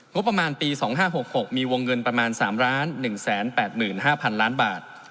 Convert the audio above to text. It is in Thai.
งบประมาณปี๒๕๖๖มีวงเงินประมาณ๓๑๘๕๐๐๐ล้านบาท